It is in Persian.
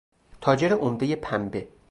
تاجر عمدهی پنبه